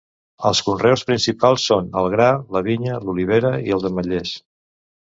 Els conreus principals són el gra, la vinya, l'olivera i els ametllers.